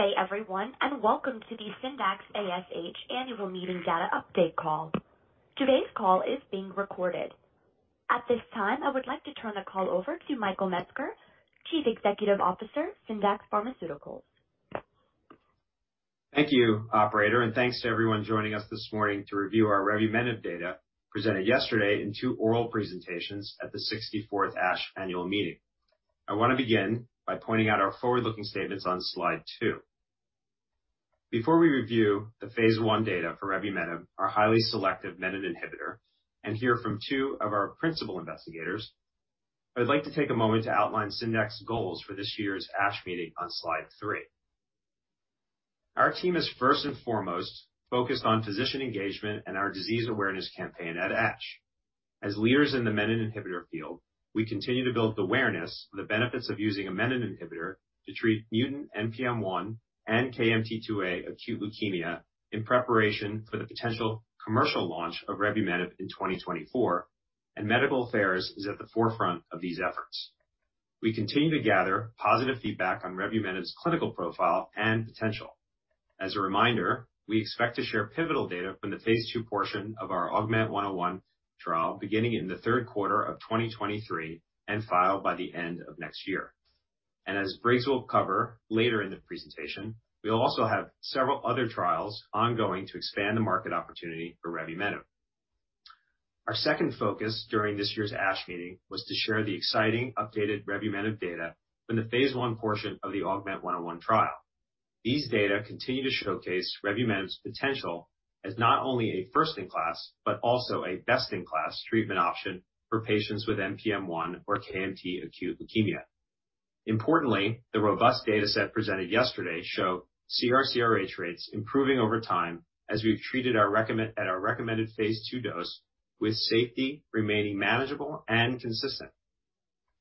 Good day everyone, welcome to the Syndax ASH Annual Meeting Data Update call. Today's call is being recorded. At this time, I would like to turn the call over to Michael Metzger, Chief Executive Officer, Syndax Pharmaceuticals. Thank you, operator. Thanks to everyone joining us this morning to review our revumenib data presented yesterday in two oral presentations at the 64th ASH annual meeting. I want to begin by pointing out our forward-looking statements on slide 2. Before we review the phase 1 data for revumenib, our highly selective menin inhibitor, and hear from two of our principal investigators, I'd like to take a moment to outline Syndax goals for this year's ASH meeting on slide 3. Our team is first and foremost focused on physician engagement and our disease awareness campaign at ASH. As leaders in the menin inhibitor field, we continue to build awareness of the benefits of using a menin inhibitor to treat mutant NPM1 and KMT2A acute leukemia in preparation for the potential commercial launch of revumenib in 2024. Medical affairs is at the forefront of these efforts. We continue to gather positive feedback on revumenib's clinical profile and potential. As a reminder, we expect to share pivotal data from the phase 2 portion of our AUGMENT-101 trial beginning in the 3rd quarter of 2023 and file by the end of next year. As Briggs will cover later in the presentation, we'll also have several other trials ongoing to expand the market opportunity for revumenib. Our second focus during this year's ASH Meeting was to share the exciting updated revumenib data from the phase 1 portion of the AUGMENT-101 trial. These data continue to showcase revumenib's potential as not only a first-in-class, but also a best-in-class treatment option for patients with NPM1 or KMT acute leukemia. Importantly, the robust data set presented yesterday show CRCRH rates improving over time as we've treated at our recommended phase 2 dose, with safety remaining manageable and consistent.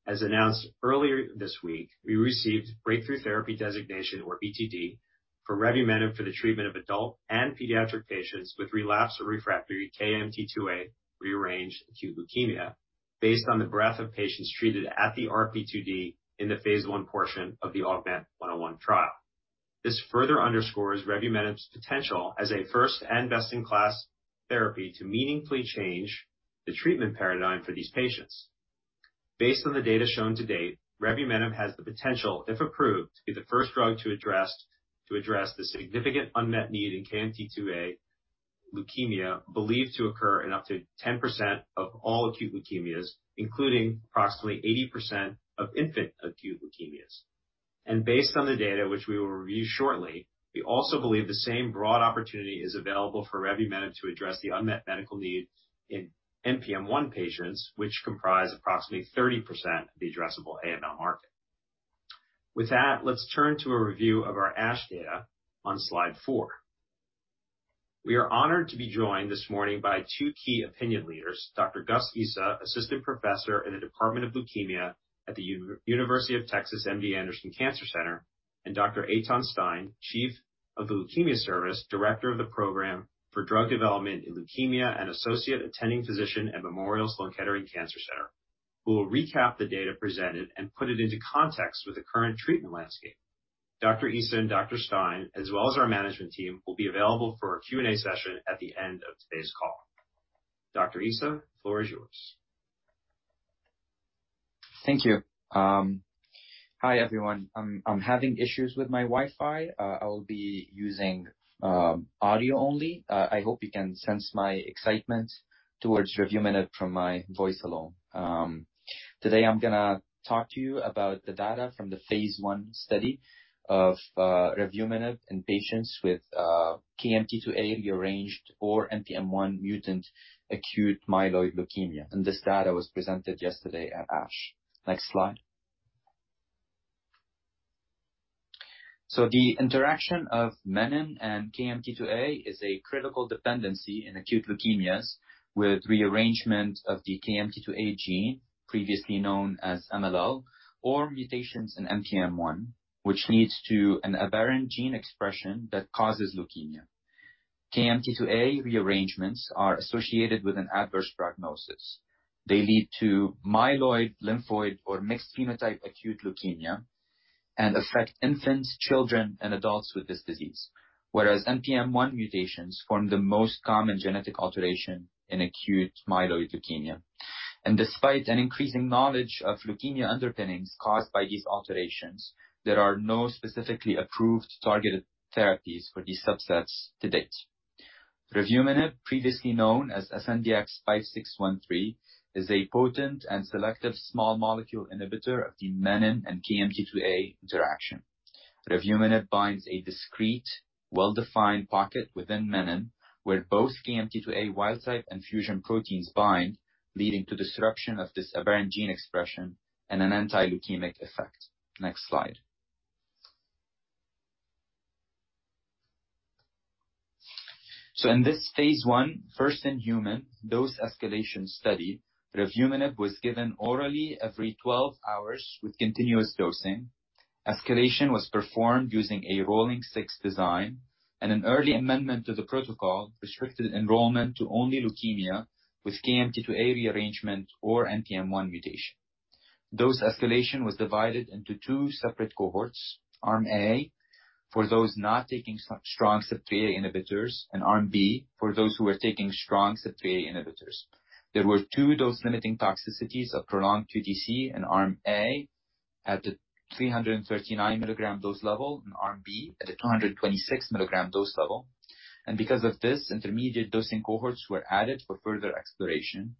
As announced earlier this week, we received Breakthrough Therapy Designation or BTD for revumenib for the treatment of adult and pediatric patients with relapse or refractory KMT2A rearranged acute leukemia based on the breadth of patients treated at the RP2D in the phase 1 portion of the AUGMENT-101 trial. This further underscores revumenib's potential as a first and best-in-class therapy to meaningfully change the treatment paradigm for these patients. Based on the data shown to date, revumenib has the potential, if approved, to be the first drug to address the significant unmet need in KMT2A leukemia, believed to occur in up to 10% of all acute leukemias, including approximately 80% of infant acute leukemias. Based on the data which we will review shortly, we also believe the same broad opportunity is available for revumenib to address the unmet medical need in NPM1 patients, which comprise approximately 30% of the addressable AML market. With that, let's turn to a review of our ASH data on slide 4. We are honored to be joined this morning by 2 key opinion leaders, Dr. Gus Issa, Assistant Professor in the Department of Leukemia at The University of Texas MD Anderson Cancer Center, and Dr. Eytan Stein, Chief of the Leukemia Service, Director of the Program for Drug Development in Leukemia, and Associate Attending Physician at Memorial Sloan Kettering Cancer Center, who will recap the data presented and put it into context with the current treatment landscape. Dr. Issa and Dr. Stein, as well as our management team, will be available for a Q&A session at the end of today's call. Dr. Issa, floor is yours. Thank you. Hi everyone. I'm having issues with my Wi-Fi. I will be using audio only. I hope you can sense my excitement towards revumenib from my voice alone. Today I'm gonna talk to you about the data from the phase I study of revumenib in patients with KMT2A rearranged or NPM1 mutant acute myeloid leukemia. This data was presented yesterday at ASH. The interaction of menin and KMT2A is a critical dependency in acute leukemias with rearrangement of the KMT2A gene, previously known as MLL, or mutations in NPM1, which leads to an aberrant gene expression that causes leukemia. KMT2A rearrangements are associated with an adverse prognosis. They lead to myeloid, lymphoid or mixed phenotype acute leukemia and affect infants, children, and adults with this disease. Whereas NPM1 mutations form the most common genetic alteration in acute myeloid leukemia. Despite an increasing knowledge of leukemia underpinnings caused by these alterations, there are no specifically approved targeted therapies for these subsets to date. Revumenib, previously known as SNDX-5613, is a potent and selective small molecule inhibitor of the menin and KMT2A interaction. Revumenib binds a discrete, well-defined pocket within menin, where both KMT2A wild type and fusion proteins bind, leading to disruption of this aberrant gene expression and an anti-leukemic effect. Next slide. In this phase 1, first in human dose escalation study, revumenib was given orally every 12 hours with continuous dosing. Escalation was performed using a Rolling 6 design, and an early amendment to the protocol restricted enrollment to only leukemia with KMT2A rearrangement or NPM1 mutation. Dose escalation was divided into two separate cohorts. Arm A for those not taking strong CYP3A inhibitors, arm B for those who were taking strong CYP3A inhibitors. There were 2 dose-limiting toxicities of prolonged QTC in arm A at the 339 milligram dose level and arm B at the 226 milligram dose level. Because of this, intermediate dosing cohorts were added for further exploration.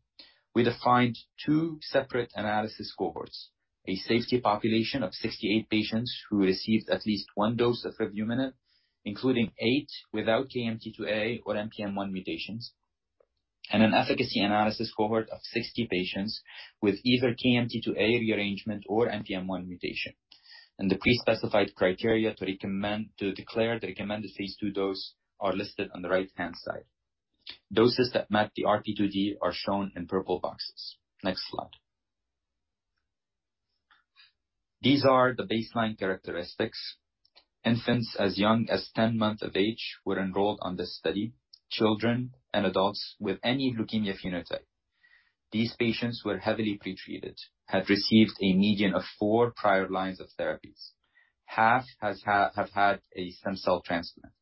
We defined 2 separate analysis cohorts. A safety population of 68 patients who received at least 1 dose of revumenib, including 8 without KMT2A or NPM1 mutations, and an efficacy analysis cohort of 60 patients with either KMT2A rearrangement or NPM1 mutation. The pre-specified criteria to declare the Recommended Phase 2 Dose are listed on the right-hand side. Doses that met the RP2D are shown in purple boxes. Next slide. These are the baseline characteristics. Infants as young as 10 months of age were enrolled on this study, children and adults with any leukemia phenotype. These patients were heavily pretreated, had received a median of 4 prior lines of therapies. Half have had a stem cell transplant.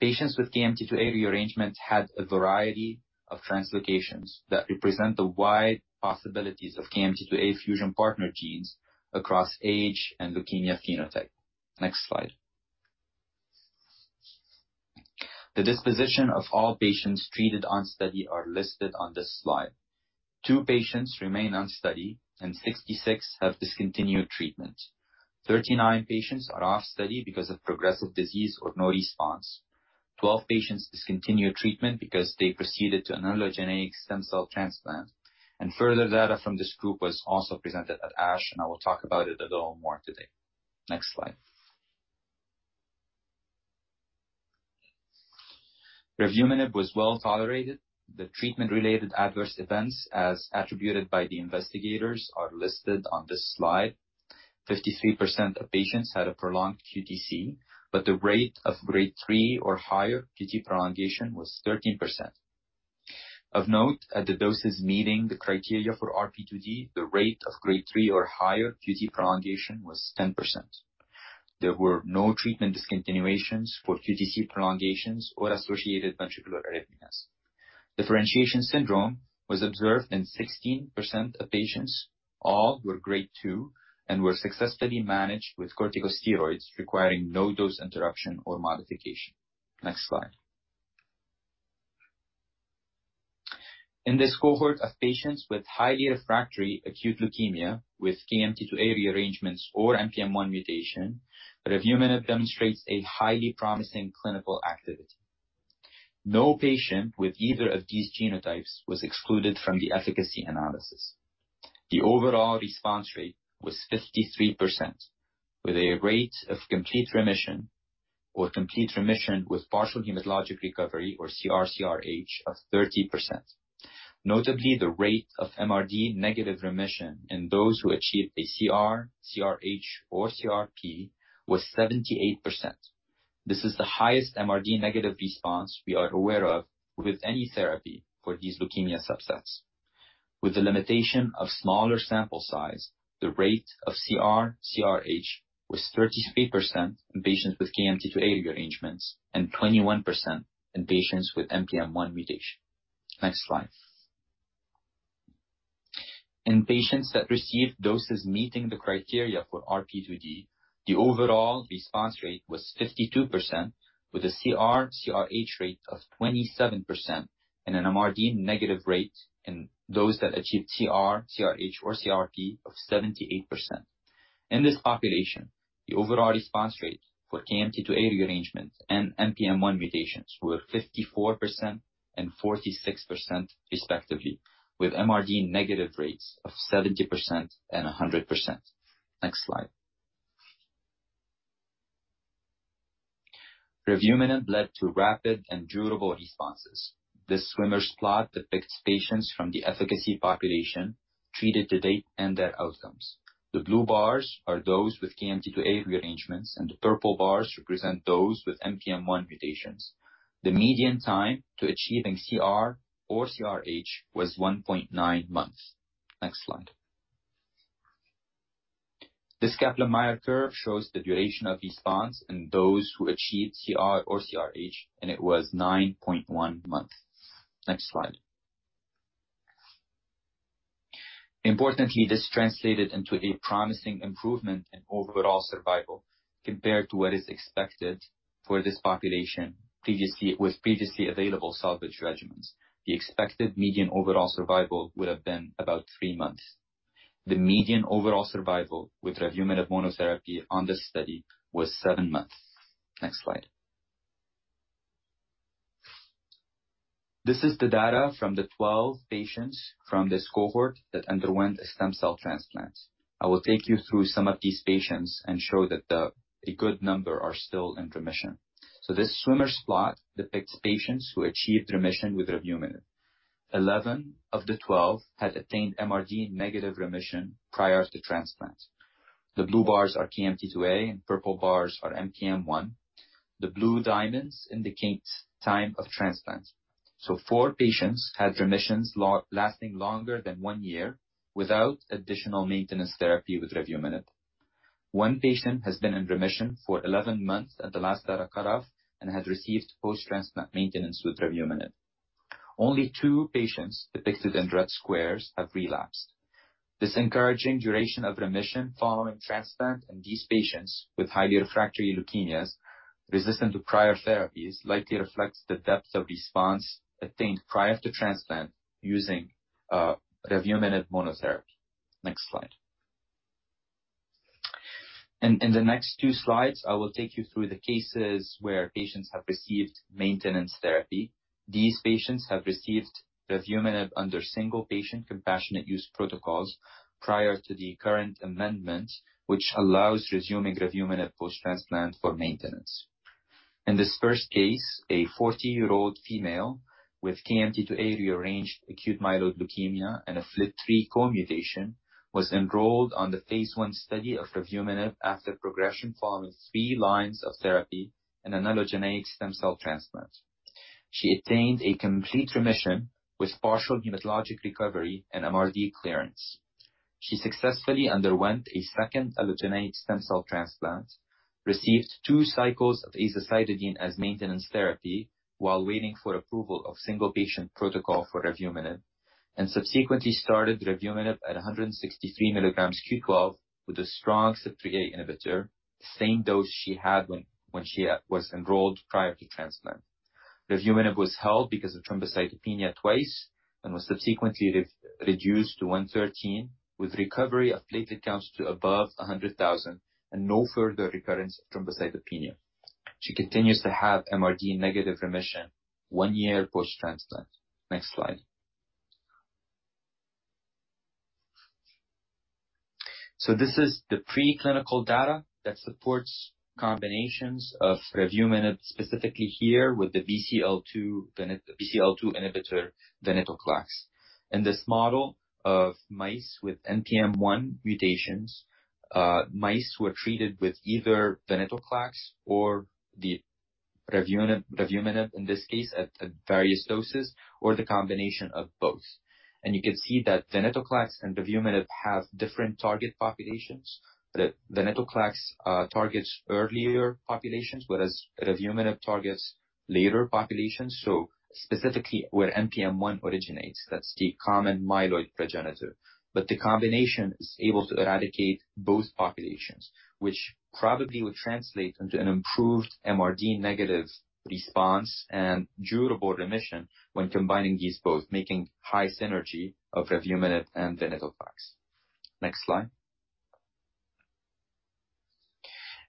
Patients with KMT2A rearrangements had a variety of translocations that represent the wide possibilities of KMT2A fusion partner genes across age and leukemia phenotype. Next slide. The disposition of all patients treated on study are listed on this slide. Two patients remain on study, and 66 have discontinued treatment. 39 patients are off study because of progressive disease or no response. 12 patients discontinued treatment because they proceeded to an allogeneic stem cell transplant. Further data from this group was also presented at ASH, and I will talk about it a little more today. Next slide. Revumenib was well-tolerated. The treatment-related adverse events as attributed by the investigators are listed on this slide. 53% of patients had a prolonged QTC, but the rate of grade 3 or higher QT prolongation was 13%. Of note, at the doses meeting the criteria for RP2D, the rate of grade 3 or higher QT prolongation was 10%. There were no treatment discontinuations for QTC prolongations or associated ventricular arrhythmias. Differentiation syndrome was observed in 16% of patients. All were grade 2 and were successfully managed with corticosteroids requiring no dose interruption or modification. Next slide. In this cohort of patients with highly refractory acute leukemia with KMT2A rearrangements or NPM1 mutation, revumenib demonstrates a highly promising clinical activity. No patient with either of these genotypes was excluded from the efficacy analysis. The overall response rate was 53%, with a rate of complete remission or complete remission with partial hematologic recovery or CR/CRh of 30%. Notably, the rate of MRD negative remission in those who achieved a CR, CRh or CRP was 78%. This is the highest MRD negative response we are aware of with any therapy for these leukemia subsets. With the limitation of smaller sample size, the rate of CR/CRh was 33% in patients with KMT2A rearrangements and 21% in patients with NPM1 mutation. Next slide. In patients that received doses meeting the criteria for RP2D, the overall response rate was 52%, with a CR/CRh rate of 27% and an MRD negative rate in those that achieved CR, CRh or CRP of 78%. In this population, the overall response rate for KMT2A rearrangements and NPM1 mutations were 54% and 46% respectively, with MRD negative rates of 70% and 100%. Next slide. Revumenib led to rapid and durable responses. This swimmer's plot depicts patients from the efficacy population treated to date and their outcomes. The blue bars are those with KMT2A rearrangements, and the purple bars represent those with NPM1 mutations. The median time to achieving CR or CRh was 1.9 months. Next slide. This Kaplan-Meier curve shows the duration of response in those who achieved CR or CRh, and it was 9.1 months. Next slide. Importantly, this translated into a promising improvement in overall survival compared to what is expected for this population with previously available salvage regimens. The expected median overall survival would have been about 3 months. The median overall survival with revumenib monotherapy on this study was 7 months. Next slide. This is the data from the 12 patients from this cohort that underwent a stem cell transplant. I will take you through some of these patients and show that a good number are still in remission. This swimmer's plot depicts patients who achieved remission with revumenib. 11 of the 12 had attained MRD negative remission prior to transplant. The blue bars are KMT2A and purple bars are NPM1. The blue diamonds indicates time of transplant. 4 patients had remissions lasting longer than 1 year without additional maintenance therapy with revumenib. 1 patient has been in remission for 11 months at the last data cutoff and had received post-transplant maintenance with revumenib. Only 2 patients, depicted in red squares, have relapsed. This encouraging duration of remission following transplant in these patients with highly refractory leukemias resistant to prior therapies likely reflects the depth of response attained prior to transplant using revumenib monotherapy. Next slide. In the next two slides, I will take you through the cases where patients have received maintenance therapy. These patients have received revumenib under single-patient compassionate use protocols prior to the current amendment, which allows resuming revumenib post-transplant for maintenance. In this first case, a 40-year-old female with KMT2A rearranged acute myeloid leukemia and a FLT3 co-mutation was enrolled on the phase one study of revumenib after progression following three lines of therapy and an allogeneic stem cell transplant. She attained a complete remission with partial hematologic recovery and MRD clearance. She successfully underwent a second allogeneic stem cell transplant, received 2 cycles of azacitidine as maintenance therapy while waiting for approval of single-patient protocol for revumenib, and subsequently started revumenib at 163 milligrams Q12 with a strong CYP3A inhibitor, same dose she had when she was enrolled prior to transplant. Revumenib was held because of thrombocytopenia twice and was subsequently re-reduced to 113, with recovery of platelet counts to above 100,000 and no further recurrence of thrombocytopenia. She continues to have MRD negative remission 1 year post-transplant. Next slide. This is the preclinical data that supports combinations of revumenib, specifically here with the BCL2 inhibitor, venetoclax. In this model of mice with NPM1 mutations, mice were treated with either venetoclax or revumenib, in this case at various doses, or the combination of both. You can see that venetoclax and revumenib have different target populations, that venetoclax targets earlier populations, whereas revumenib targets later populations, so specifically where NPM1 originates, that's the common myeloid progenitor. The combination is able to eradicate both populations, which probably would translate into an improved MRD negative response and durable remission when combining these both, making high synergy of revumenib and venetoclax. Next slide.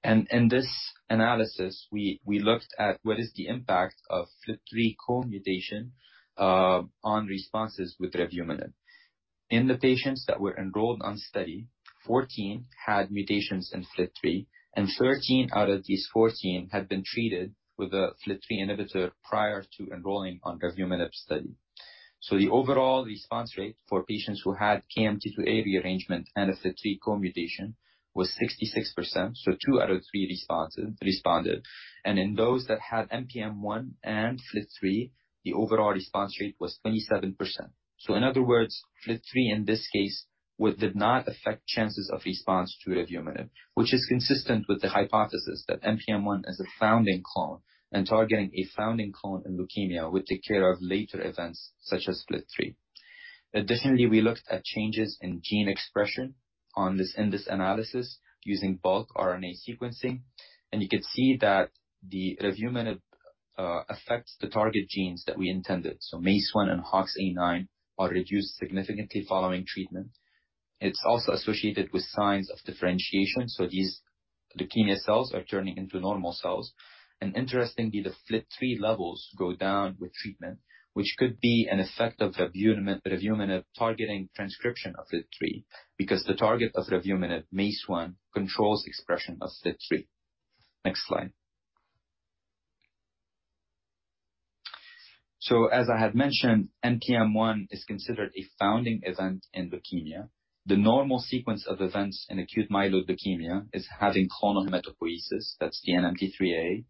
In this analysis, we looked at what is the impact of FLT3 co-mutation on responses with revumenib. In the patients that were enrolled on study, 14 had mutations in FLT3, and 13 out of these 14 had been treated with a FLT3 inhibitor prior to enrolling on revumenib study. The overall response rate for patients who had KMT2A rearrangement and a FLT3 co-mutation was 66%, so 2 out of 3 responses responded. In those that had NPM1 and FLT3, the overall response rate was 27%. In other words, FLT3 in this case did not affect chances of response to revumenib, which is consistent with the hypothesis that NPM1 is a founding clone, and targeting a founding clone in leukemia would take care of later events such as FLT3. We looked at changes in gene expression in this analysis using bulk RNA sequencing, and you can see that the revumenib affects the target genes that we intended. MEIS1 and HOXA9 are reduced significantly following treatment. It's also associated with signs of differentiation, so these leukemia cells are turning into normal cells. Interestingly, the FLT3 levels go down with treatment, which could be an effect of revumenib targeting transcription of FLT3, because the target of revumenib, MEIS1, controls expression of FLT3. Next slide. As I had mentioned, NPM1 is considered a founding event in leukemia. The normal sequence of events in acute myeloid leukemia is having clonal hematopoiesis, that's the DNMT3A,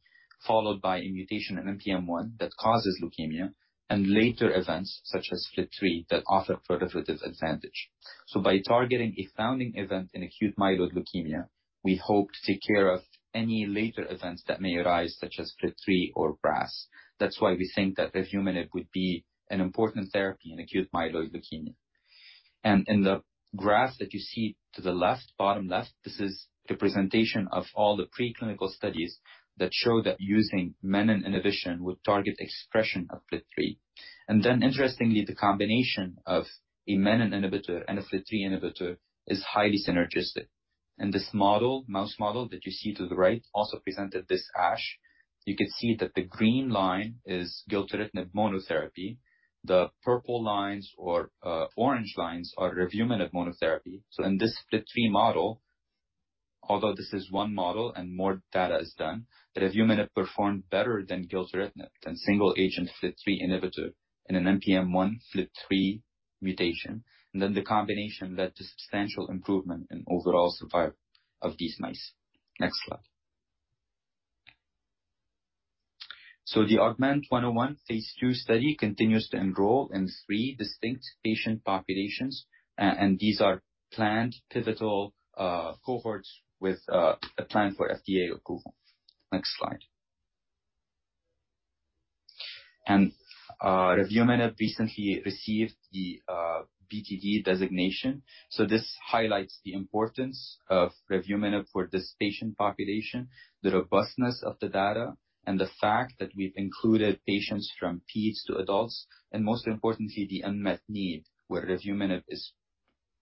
followed by a mutation in NPM1 that causes leukemia, and later events such as FLT3 that offer proliferative advantage. By targeting a founding event in acute myeloid leukemia, we hope to take care of any later events that may arise, such as FLT3 or RAS. That's why we think that revumenib would be an important therapy in acute myeloid leukemia. In the graph that you see to the left, bottom left, this is the presentation of all the preclinical studies that show that using menin inhibition would target expression of FLT3. Interestingly, the combination of a menin inhibitor and a FLT3 inhibitor is highly synergistic. In this model, mouse model that you see to the right, also presented this ASH, you can see that the green line is gilteritinib monotherapy. The purple lines or orange lines are revumenib monotherapy. In this FLT3 model, although this is one model and more data is done, revumenib performed better than gilteritinib, than single agent FLT3 inhibitor in an NPM1 FLT3 mutation. Then the combination led to substantial improvement in overall survival of these mice. Next slide. The AUGMENT-101 phase 2 study continues to enroll in three distinct patient populations. And these are planned pivotal cohorts with a plan for FDA approval. Next slide. revumenib recently received the BTD designation, so this highlights the importance of revumenib for this patient population, the robustness of the data, and the fact that we've included patients from peds to adults, and most importantly, the unmet need where revumenib is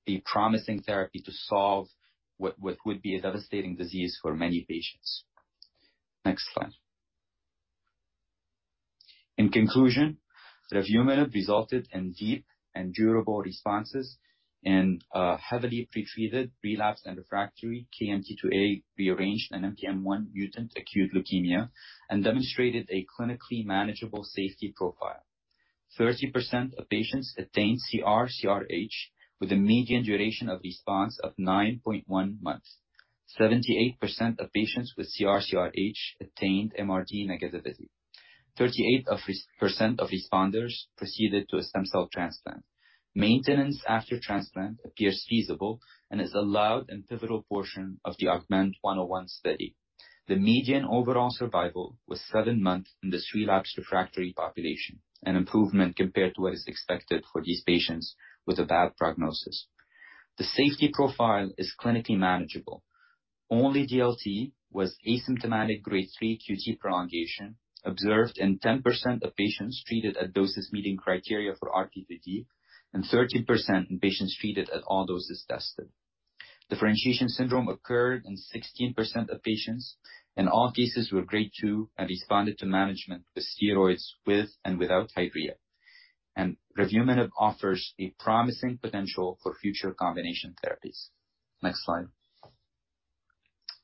a promising therapy to solve what would be a devastating disease for many patients. Next slide. In conclusion, revumenib resulted in deep and durable responses in heavily pretreated relapsed and refractory KMT2A rearranged and NPM1 mutant acute leukemia and demonstrated a clinically manageable safety profile. 30% of patients attained CR/CRh with a median duration of response of 9.1 months. 78% of patients with CR/CRh attained MRD negativity. 38% of responders proceeded to a stem cell transplant. Maintenance after transplant appears feasible and is allowed in pivotal portion of the AUGMENT-101 study. The median overall survival was 7 months in this relapsed refractory population, an improvement compared to what is expected for these patients with a bad prognosis. The safety profile is clinically manageable. Only DLT was asymptomatic grade 3 QTC prolongation observed in 10% of patients treated at doses meeting criteria for RP2D and 13% in patients treated at all doses tested. Differentiation syndrome occurred in 16% of patients, all cases were grade 2 and responded to management with steroids with and without phlebitis. Revumenib offers a promising potential for future combination therapies. Next slide.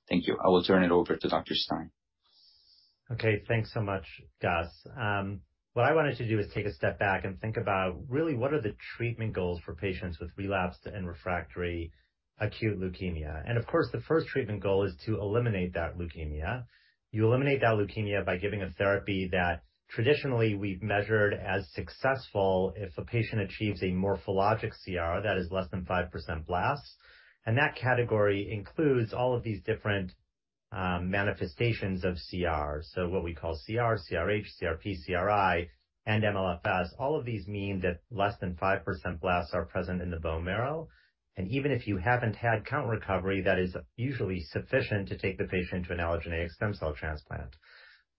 Thank you. I will turn it over to Dr. Stein. Okay, thanks so much, Gus. What I wanted to do is take a step back and think about really what are the treatment goals for patients with relapsed and refractory acute leukemia. Of course, the first treatment goal is to eliminate that leukemia. You eliminate that leukemia by giving a therapy that traditionally we've measured as successful if a patient achieves a morphologic CR, that is less than 5% blasts. That category includes all of these different manifestations of CR. What we call CR, CRh, CRP, CRI, and MLFS. All of these mean that less than 5% blasts are present in the bone marrow. Even if you haven't had count recovery, that is usually sufficient to take the patient to an allogeneic stem cell transplant.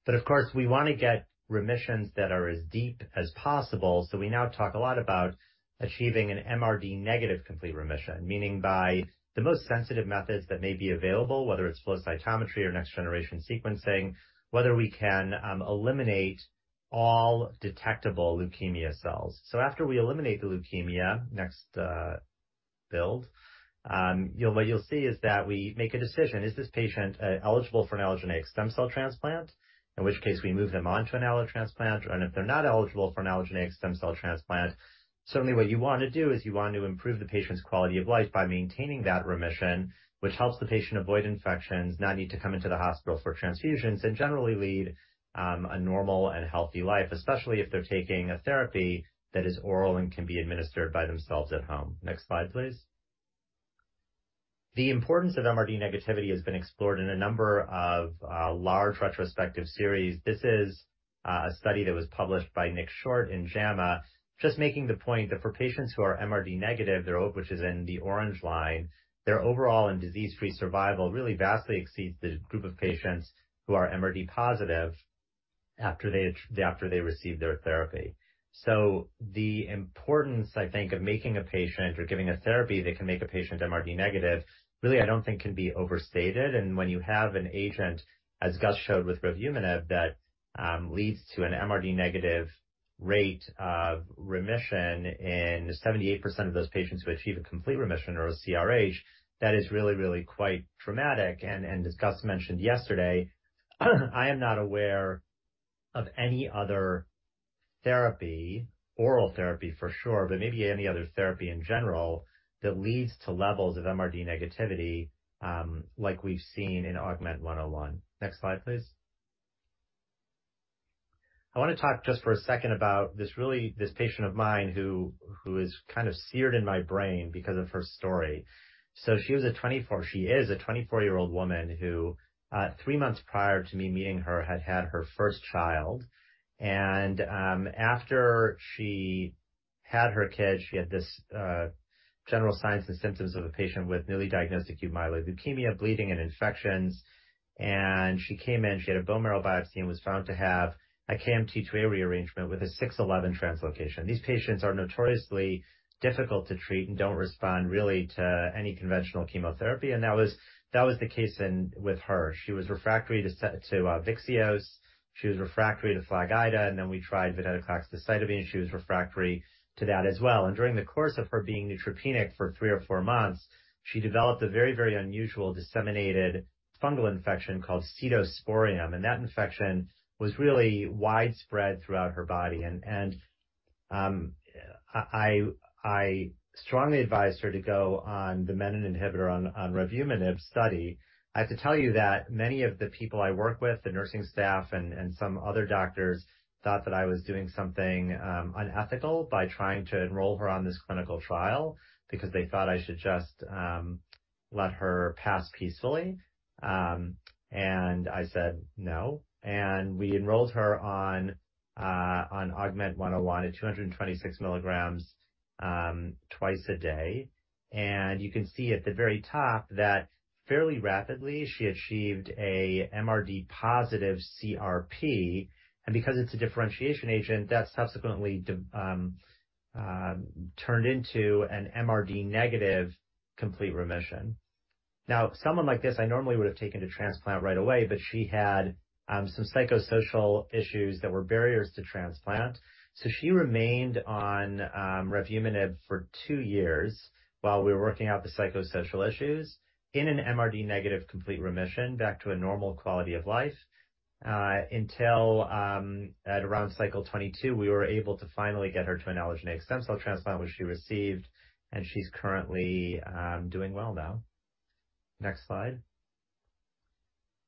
Of course, we wanna get remissions that are as deep as possible, so we now talk a lot about achieving an MRD negative complete remission, meaning by the most sensitive methods that may be available, whether it's flow cytometry or next-generation sequencing, whether we can eliminate all detectable leukemia cells. After we eliminate the leukemia, next, build, you know what you'll see is that we make a decision. Is this patient eligible for an allogeneic stem cell transplant? In which case, we move them on to an allo transplant. If they're not eligible for an allogeneic stem cell transplant, certainly what you want to do is you want to improve the patient's quality of life by maintaining that remission, which helps the patient avoid infections, not need to come into the hospital for transfusions, and generally lead a normal and healthy life, especially if they're taking a therapy that is oral and can be administered by themselves at home. Next slide, please. The importance of MRD negativity has been explored in a number of large retrospective series. This is a study that was published by Nick Short in JAMA, just making the point that for patients who are MRD negative, their oob which is in the orange line, their overall and disease-free survival really vastly exceeds the group of patients who are MRD positive after they receive their therapy. The importance, I think, of making a patient or giving a therapy that can make a patient MRD negative, really, I don't think can be overstated. When you have an agent, as Gus showed with revumenib, that leads to an MRD negative rate of remission in 78% of those patients who achieve a complete remission or a CRh, that is really, really quite dramatic. As Gus mentioned yesterday, I am not aware of any other therapy, oral therapy for sure, but maybe any other therapy in general that leads to levels of MRD negativity, like we've seen in AUGMENT-101. Next slide, please. I wanna talk just for a second about this patient of mine who is kind of seared in my brain because of her story. She is a 24-year-old woman who, 3 months prior to me meeting her, had had her first child. After she had her kid, she had this general signs and symptoms of a patient with newly diagnosed acute myeloid leukemia, bleeding, and infections. She came in, she had a bone marrow biopsy and was found to have a KMT2A rearrangement with a t(6;11) translocation. These patients are notoriously difficult to treat and don't respond really to any conventional chemotherapy. That was, that was the case in with her. She was refractory to VYXEOS. She was refractory to Flagida, and then we tried venetoclax decitabine, and she was refractory to that as well. During the course of her being neutropenic for 3 or 4 months, she developed a very, very unusual disseminated fungal infection called Scedosporium, and that infection was really widespread throughout her body. I strongly advised her to go on the menin inhibitor on revumenib study. I have to tell you that many of the people I work with, the nursing staff and some other doctors, thought that I was doing something unethical by trying to enroll her on this clinical trial because they thought I should just let her pass peacefully. I said, "No." We enrolled her on AUGMENT-101 at 226 milligrams twice a day. You can see at the very top that fairly rapidly she achieved a MRD positive CRP. Because it's a differentiation agent, that subsequently turned into an MRD negative complete remission. Now, someone like this I normally would have taken to transplant right away, she had some psychosocial issues that were barriers to transplant. She remained on revumenib for 2 years while we were working out the psychosocial issues in an MRD negative complete remission back to a normal quality of life, until at around cycle 22, we were able to finally get her to an allogeneic stem cell transplant, which she received, and she's currently doing well now. Next slide.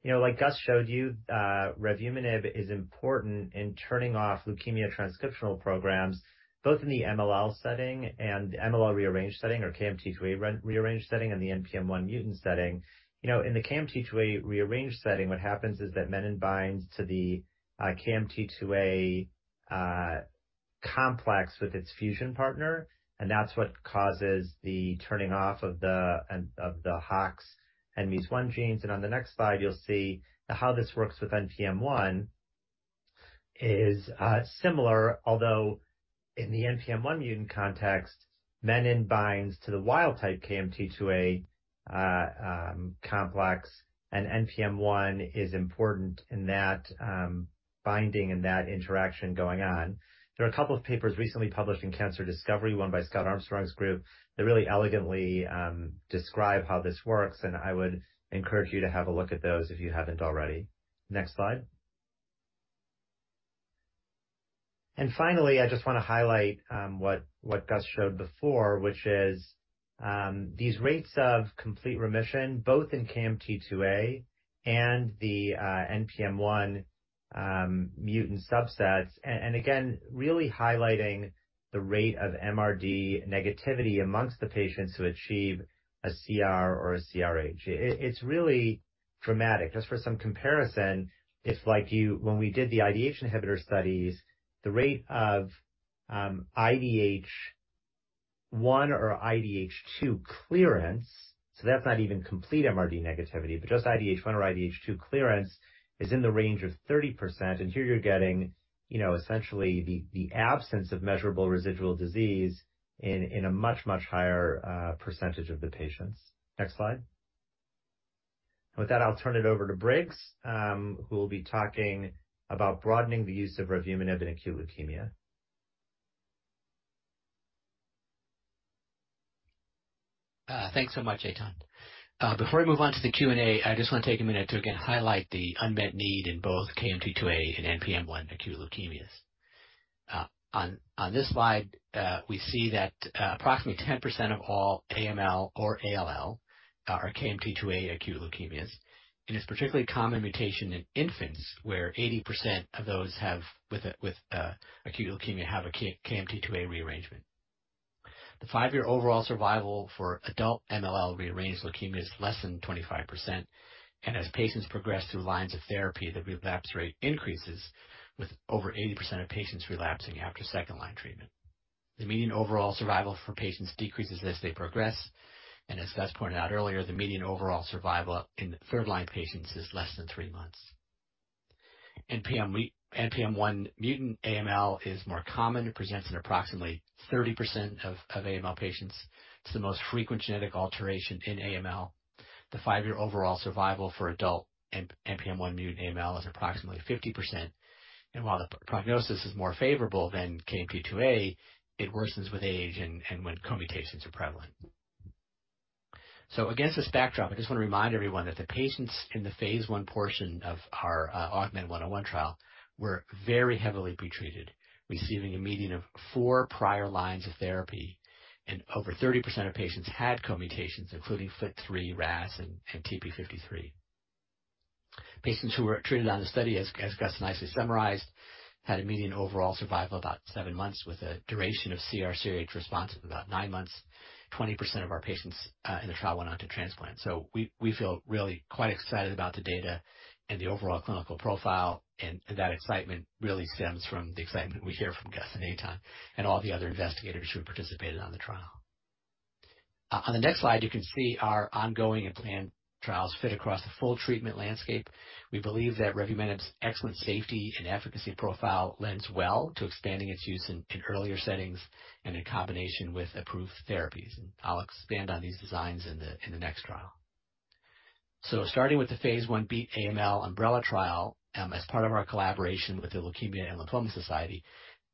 You know, like Gus showed you, revumenib is important in turning off leukemia transcriptional programs, both in the MLL setting and MLL rearrange setting or KMT2A re-rearrange setting and the NPM1 mutant setting. You know, in the KMT2A rearranged setting, what happens is that menin binds to the KMT2A complex with its fusion partner, and that's what causes the turning off of the HOX and MEIS1 genes. On the next slide, you'll see that how this works with NPM1 is similar, although in the NPM1 mutant context, menin binds to the wild type KMT2A complex, and NPM1 is important in that binding and that interaction going on. There are a couple of papers recently published in Cancer Discovery, one by Scott Armstrong's group, that really elegantly describe how this works, and I would encourage you to have a look at those if you haven't already. Next slide. Finally, I just wanna highlight what Gus showed before, which is these rates of complete remission both in KMT2A and the NPM1 mutant subsets. Again, really highlighting the rate of MRD negativity amongst the patients who achieve a CR or a CRh. It's really dramatic. Just for some comparison, if like you... when we did the IDH inhibitor studies, the rate of IDH1 or IDH2 clearance, so that's not even complete MRD negativity, but just IDH1 or IDH2 clearance is in the range of 30%. Here you're getting, you know, essentially the absence of measurable residual disease in a much, much higher percentage of the patients. Next slide. With that, I'll turn it over to Briggs, who will be talking about broadening the use of revumenib in acute leukemia. Thanks so much, Eytan Stein. Before we move on to the Q&A, I just want to take a minute to again highlight the unmet need in both KMT2A and NPM1 acute leukemias. On this slide, we see that approximately 10% of all AML or ALL are KMT2A acute leukemias, and it's a particularly common mutation in infants where 80% of those with acute leukemia have a KMT2A rearrangement. The 5-year overall survival for adult MLL rearranged leukemia is less than 25%, and as patients progress through lines of therapy, the relapse rate increases, with over 80% of patients relapsing after second-line treatment. The median overall survival for patients decreases as they progress, and as Ghayas Issa pointed out earlier, the median overall survival in third-line patients is less than 3 months. NPM1 mutant AML is more common. It presents in approximately 30% of AML patients. It's the most frequent genetic alteration in AML. The five-year overall survival for adult NPM1 mutant AML is approximately 50%. While the prognosis is more favorable than KMT2A, it worsens with age and when co-mutations are prevalent. Against this backdrop, I just wanna remind everyone that the patients in the phase I portion of our AUGMENT-101 trial were very heavily pre-treated, receiving a median of four prior lines of therapy. Over 30% of patients had co-mutations, including FLT3, RAS, and TP53. Patients who were treated on the study, as Gus nicely summarized, had a median overall survival of about seven months with a duration of CR/CRh response of about nine months. 20% of our patients in the trial went on to transplant. We feel really quite excited about the data and the overall clinical profile, and that excitement really stems from the excitement we hear from Gus and Etan and all the other investigators who participated on the trial. On the next slide, you can see our ongoing and planned trials fit across the full treatment landscape. We believe that revumenib's excellent safety and efficacy profile lends well to expanding its use in earlier settings and in combination with approved therapies. I'll expand on these designs in the next trial. Starting with the Phase 1B AML umbrella trial, as part of our collaboration with The Leukemia & Lymphoma Society,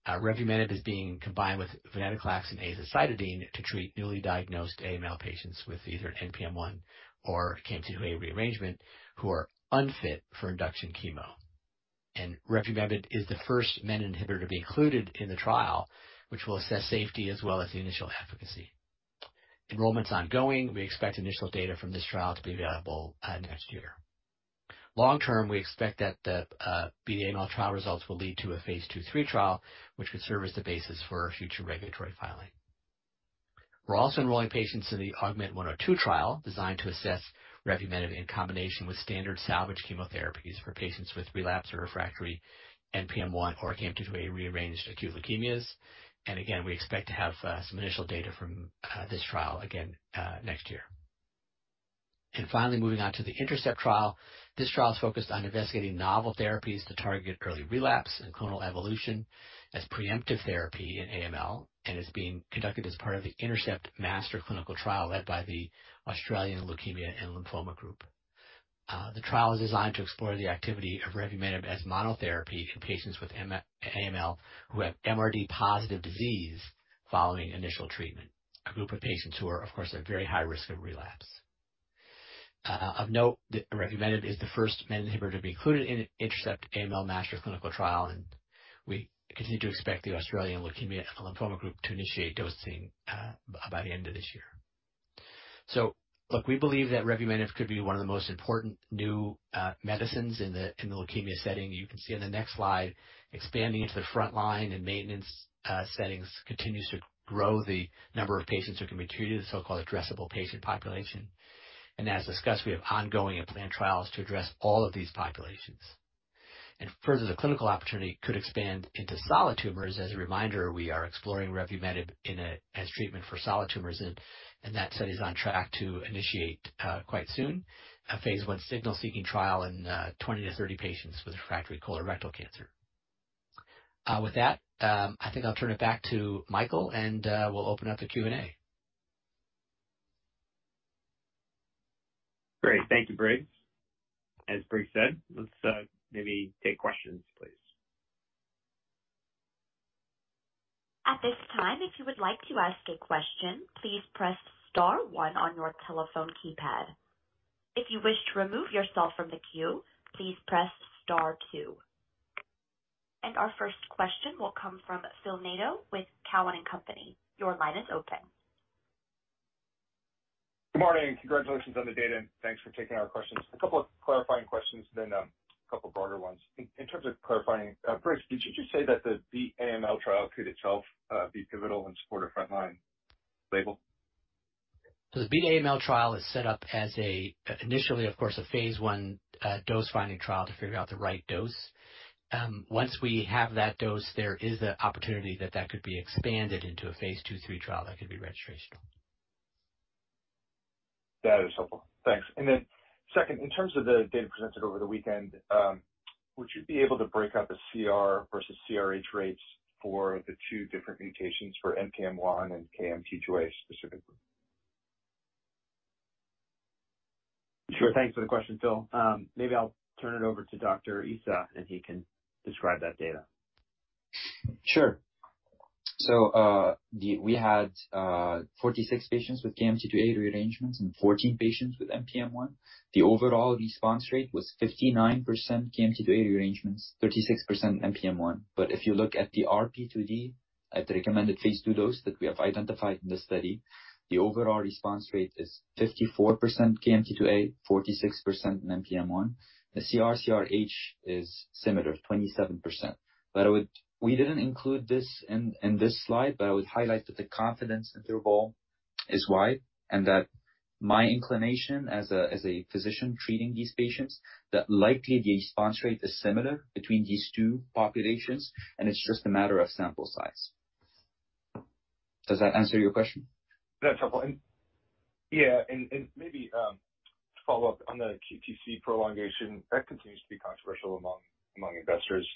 revumenib is being combined with venetoclax and azacitidine to treat newly diagnosed AML patients with either an NPM1 or KMT2A rearrangement who are unfit for induction chemo. Revumenib is the first menin inhibitor to be included in the trial, which will assess safety as well as the initial efficacy. Enrollment's ongoing. We expect initial data from this trial to be available next year. Long term, we expect that the BEAT AML trial results will lead to a Phase 2/3 trial, which could serve as the basis for a future regulatory filing. We're also enrolling patients in the AUGMENT-102 trial, designed to assess revumenib in combination with standard salvage chemotherapies for patients with relapse or refractory NPM1 or KMT2A rearranged acute leukemias. Again, we expect to have some initial data from this trial again next year. Finally, moving on to the INTERCEPT trial. This trial is focused on investigating novel therapies that target early relapse and clonal evolution as preemptive therapy in AML and is being conducted as part of the INTERCEPT master clinical trial led by the Australasian Leukaemia and Lymphoma Group. The trial is designed to explore the activity of revumenib as monotherapy in patients with AML who have MRD positive disease following initial treatment, a group of patients who are, of course, at very high risk of relapse. Of note, that revumenib is the first MEK inhibitor to be included in an INTERCEPT AML master clinical trial, and we continue to expect the Australasian Leukaemia and Lymphoma Group to initiate dosing by the end of this year. Look, we believe that revumenib could be one of the most important new medicines in the leukemia setting. You can see in the next slide, expanding into the front line and maintenance settings continues to grow the number of patients who can be treated, the so-called addressable patient population. As discussed, we have ongoing and planned trials to address all of these populations. Further, the clinical opportunity could expand into solid tumors. As a reminder, we are exploring revumenib as treatment for solid tumors, and that study is on track to initiate quite soon, a phase 1 signal-seeking trial in 20-30 patients with refractory colorectal cancer. With that, I think I'll turn it back to Michael, and we'll open up the Q&A. Great. Thank you, Briggs. As Briggs said, let's maybe take questions, please. At this time, if you would like to ask a question, please press star one on your telephone keypad. If you wish to remove yourself from the queue, please press star two. Our first question will come from Phil Nadeau with Cowen and Company. Your line is open. Good morning. Congratulations on the data, and thanks for taking our questions. A couple of clarifying questions, then, a couple broader ones. In terms of clarifying, Briggs, did you just say that the BEAT AML trial could itself be pivotal and support a frontline label? The BEAT AML trial is set up as a, initially, of course, a phase I dose-finding trial to figure out the right dose. Once we have that dose, there is the opportunity that that could be expanded into a phase 2/3 trial that could be registrational. That is helpful. Thanks. Second, in terms of the data presented over the weekend, would you be able to break out the CR versus CRH rates for the two different mutations for NPM1 and KMT2A specifically? Sure. Thanks for the question, Phil. Maybe I'll turn it over to Dr. Issa, and he can describe that data. Sure. We had 46 patients with KMT2A rearrangements and 14 patients with NPM1. The overall response rate was 59% KMT2A rearrangements, 36% NPM1. If you look at the RP2D at the recommended Phase 2 dose that we have identified in this study, the overall response rate is 54% KMT2A, 46% in NPM1. The CR/CRh is similar, 27%. I would highlight that the confidence interval is wide and that my inclination as a physician treating these patients, that likely the response rate is similar between these two populations, and it's just a matter of sample size. Does that answer your question? That's helpful. Yeah, and maybe to follow up on the QTC prolongation, that continues to be controversial among investors.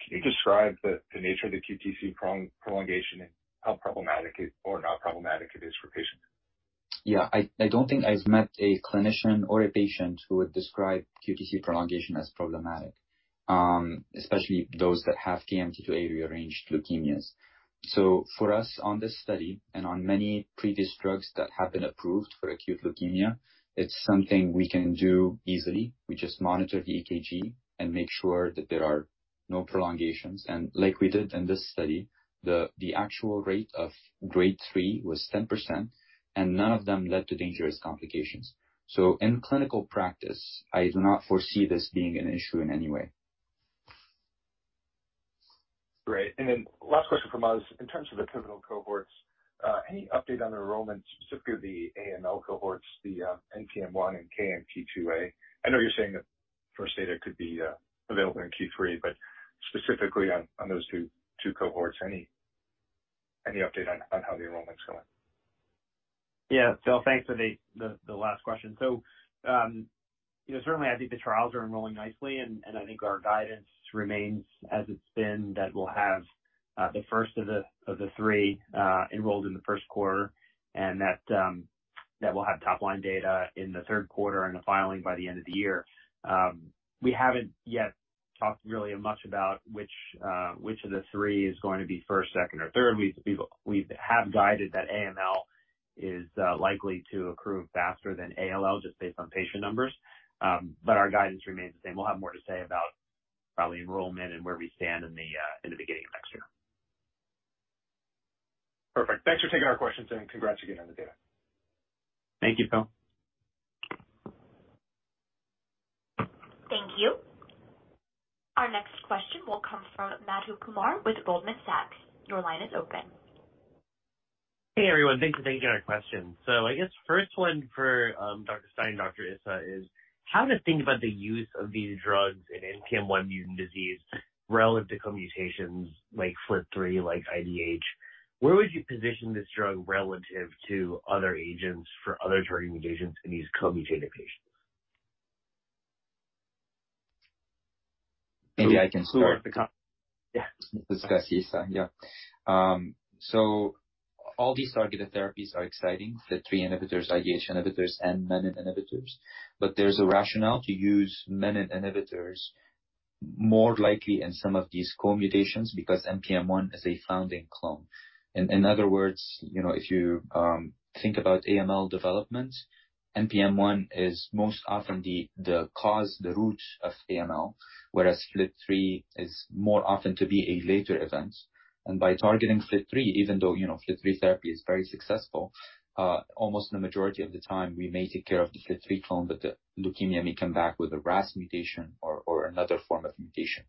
Can you describe the nature of the QTC prolongation and how problematic it or not problematic it is for patients? Yeah. I don't think I've met a clinician or a patient who would describe QTC prolongation as problematic, especially those that have KMT2A rearranged leukemias. For us on this study and on many previous drugs that have been approved for acute leukemia, it's something we can do easily. We just monitor the EKG and make sure that there are no prolongations. Like we did in this study, the actual rate of grade 3 was 10%, and none of them led to dangerous complications. In clinical practice, I do not foresee this being an issue in any way. Great. Last question from us. In terms of the pivotal cohorts, any update on enrollment, specifically the AML cohorts, the NPM1 and KMT2A? I know you're saying that first data could be available in Q3, but specifically on those 2 cohorts, any update on how the enrollment's going? Yeah. Phil, thanks for the last question. You know, certainly I think the trials are enrolling nicely, and I think our guidance remains as it's been that we'll have the first of the three enrolled in the Q1 and that we'll have top-line data in the Q3 and the filing by the end of the year. We haven't yet talked really much about which of the three is going to be first, second or third. We have guided that AML is likely to accrue faster than ALL, just based on patient numbers. Our guidance remains the same. We'll have more to say about- Probably enrollment and where we stand in the in the beginning of next year. Perfect. Thanks for taking our questions and congrats again on the data. Thank you, Phil. Thank you. Our next question will come from Madhu Kumar with Goldman Sachs. Your line is open. Hey, everyone. Thanks for taking our question. I guess first one for Dr. Stein and Dr. Issa is how to think about the use of these drugs in NPM1 mutant disease relative to co-mutations like FLT3, like IDH. Where would you position this drug relative to other agents for other targeted mutations in these co-mutated patients? Maybe I can start. Yeah. This is Gus Issa. Yeah. All these targeted therapies are exciting, the FLT3 inhibitors, IDH inhibitors and menin inhibitors, but there's a rationale to use menin inhibitors more likely in some of these co-mutations because NPM1 is a founding clone. In other words, you know, if you think about AML development, NPM1 is most often the cause, the root of AML, whereas FLT3 is more often to be a later event. By targeting FLT3, even though, you know, FLT3 therapy is very successful, almost in the majority of the time, we may take care of the FLT3 clone, but the leukemia may come back with a RAS mutation or another form of mutation.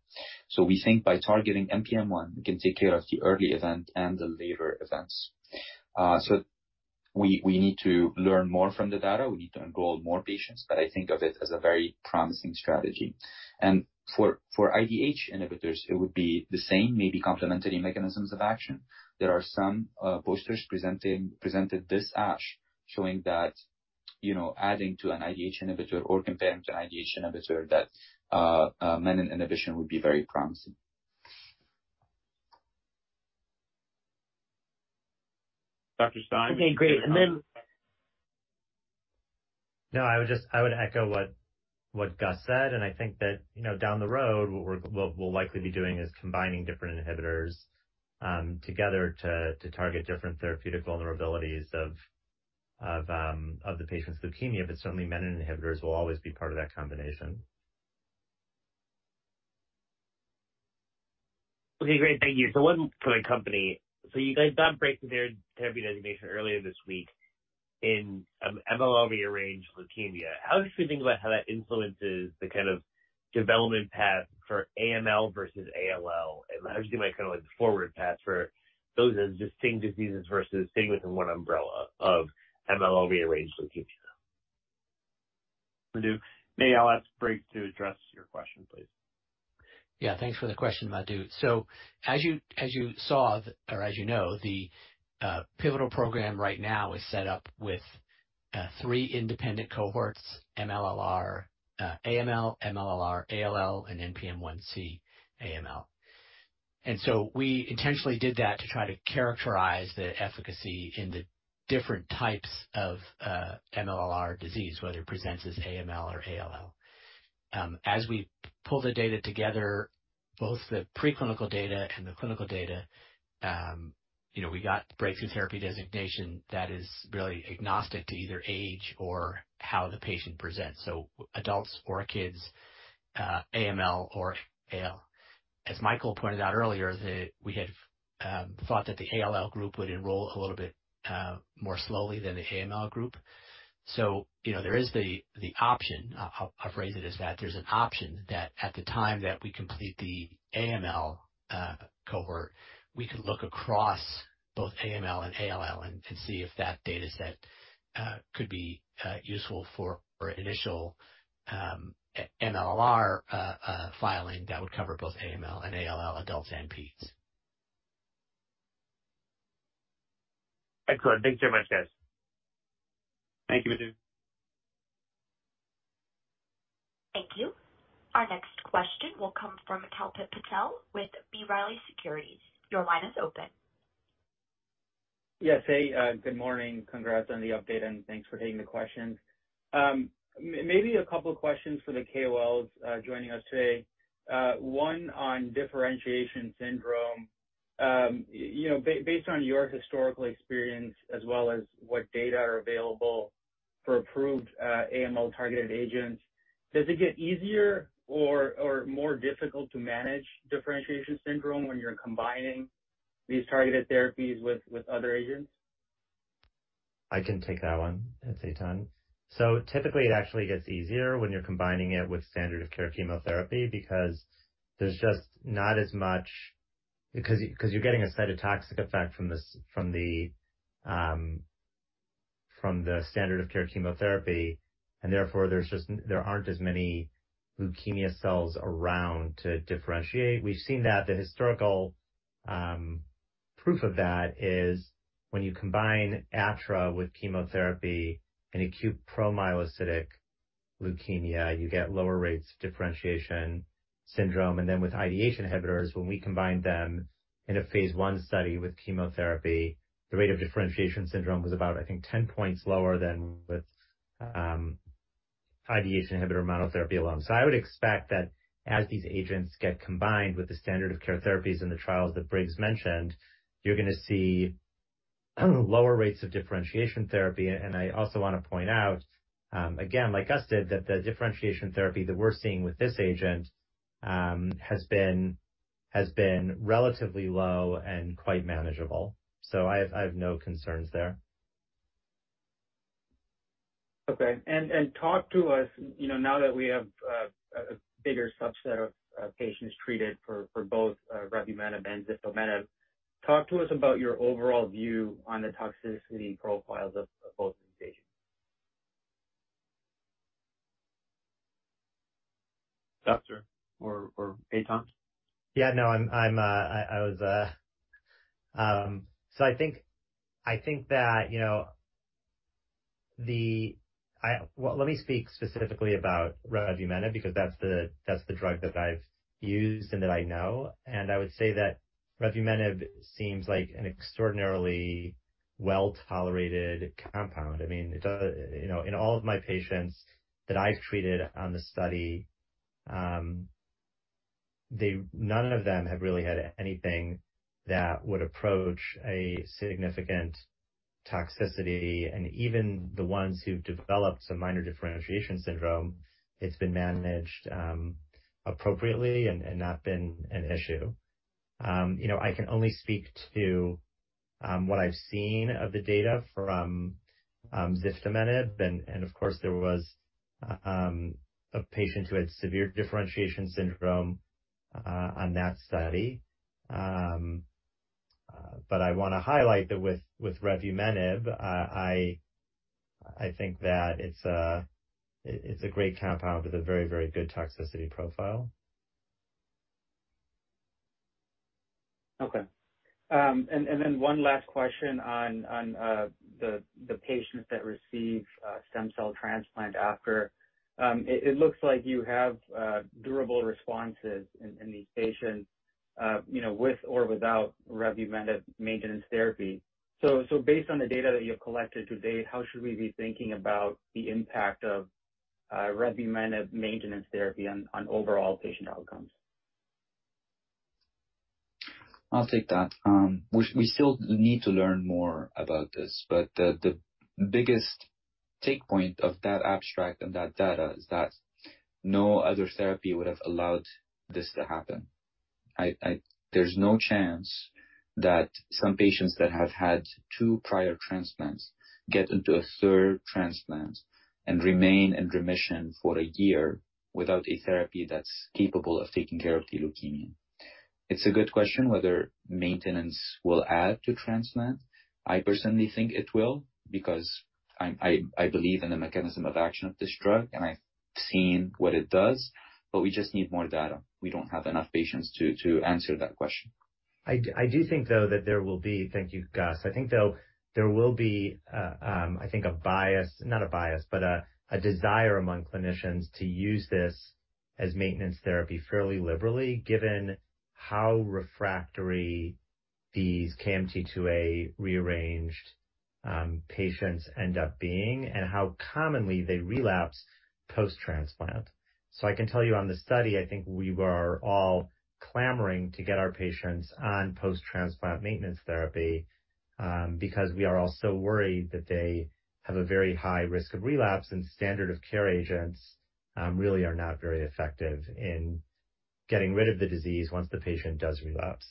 We think by targeting NPM1, we can take care of the early event and the later events. We need to learn more from the data. We need to enroll more patients, but I think of it as a very promising strategy. For IDH inhibitors, it would be the same, maybe complementary mechanisms of action. There are some posters presented this ASH, showing that, you know, adding to an IDH inhibitor or comparing to an IDH inhibitor that menin inhibition would be very promising. Dr. Stein? Okay, great. No, I would echo what Gus said, and I think that, you know, down the road, what we'll likely be doing is combining different inhibitors together to target different therapeutic vulnerabilities of the patient's leukemia. certainly menin inhibitors will always be part of that combination. Okay, great. Thank you. One for the company. You guys got Breakthrough Therapy Designation earlier this week in MLL-rearranged leukemia. How should we think about how that influences the kind of development path for AML versus ALL? How do you make kind of like the forward path for those as distinct diseases versus staying within one umbrella of MLL-rearranged leukemia? Madhu, maybe I'll ask Briggs to address your question, please. Yeah. Thanks for the question, Madhu. As you saw or as you know, the pivotal program right now is set up with 3 independent cohorts, MLL-r AML, MLL-r ALL, and NPM1-C AML. We intentionally did that to try to characterize the efficacy in the different types of MLL-r disease, whether it presents as AML or ALL. As we pull the data together, both the preclinical data and the clinical data, you know, we got Breakthrough Therapy Designation that is really agnostic to either age or how the patient presents, so adults or kids, AML or ALL. As Michael pointed out earlier, we had thought that the ALL group would enroll a little bit more slowly than the AML group. You know, there is the option. I'll phrase it as that, there's an option that at the time that we complete the AML cohort, we can look across both AML and ALL and see if that data set could be useful for our initial MLL-r filing that would cover both AML and ALL, adults and peds. Excellent. Thank you very much, guys. Thank you, Madhu. Thank you. Our next question will come from Kalpit Patel with B. Riley Securities. Your line is open. Yes. Hey, good morning. Congrats on the update, thanks for taking the questions. Maybe a couple of questions for the KOLs joining us today. One on differentiation syndrome. You know, based on your historical experience as well as what data are available for approved AML-targeted agents, does it get easier or more difficult to manage differentiation syndrome when you're combining these targeted therapies with other agents? I can take that one. It's Eytan. Typically, it actually gets easier when you're combining it with standard of care chemotherapy because there's just not as much... Because you're getting a cytotoxic effect from the standard of care chemotherapy, and therefore, there aren't as many leukemia cells around to differentiate. We've seen that the historical proof of that is when you combine ATRA with chemotherapy and acute promyelocytic leukemia, you get lower rates of differentiation syndrome. With IDH inhibitors, when we combined them in a phase I study with chemotherapy, the rate of differentiation syndrome was about, I think, 10 points lower than with IDH inhibitor monotherapy alone. I would expect that as these agents get combined with the standard of care therapies in the trials that Briggs mentioned, you're gonna see lower rates of differentiation therapy. I also wanna point out, again, like Gus did, that the differentiation therapy that we're seeing with this agent, has been relatively low and quite manageable. I have no concerns there. Talk to us, you know, now that we have a bigger subset of patients treated for both revumenib and ziftomenib, talk to us about your overall view on the toxicity profiles of both of these agents. Doctor or Eytan? Yeah. No, I was. I think that, you know, well, let me speak specifically about revumenib because that's the drug that I've used and that I know, and I would say that revumenib seems like an extraordinarily well-tolerated compound. I mean, you know, in all of my patients that I've treated on the study, none of them have really had anything that would approach a significant toxicity. Even the ones who've developed some minor differentiation syndrome, it's been managed appropriately and not been an issue. You know, I can only speak to what I've seen of the data from ziftomenib, and of course, there was a patient who had severe differentiation syndrome on that study. I wanna highlight that with revumenib, I think that it's a great compound with a very, very good toxicity profile. One last question on the patients that receive stem cell transplant after. It looks like you have durable responses in these patients, you know, with or without revumenib maintenance therapy. Based on the data that you have collected to date, how should we be thinking about the impact of revumenib maintenance therapy on overall patient outcomes? I'll take that. We still need to learn more about this. The biggest take point of that abstract and that data is that no other therapy would have allowed this to happen. I. There's no chance that some patients that have had 2 prior transplants get into a 3rd transplant and remain in remission for a year without a therapy that's capable of taking care of the leukemia. It's a good question whether maintenance will add to transplant. I personally think it will because I believe in the mechanism of action of this drug, and I've seen what it does. We just need more data. We don't have enough patients to answer that question. I do think, though, that there will be. Thank you, Gus. I think, though, there will be a, I think a bias, not a bias, but a desire among clinicians to use this as maintenance therapy fairly liberally, given how refractory these KMT2A rearranged patients end up being and how commonly they relapse post-transplant. I can tell you on the study, I think we were all clamoring to get our patients on post-transplant maintenance therapy, because we are all so worried that they have a very high risk of relapse, and standard of care agents really are not very effective in getting rid of the disease once the patient does relapse.